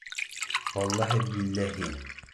Валлаһи-биллаһи!..